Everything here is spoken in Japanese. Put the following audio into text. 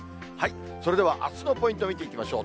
それではあすのポイント見ていきましょう。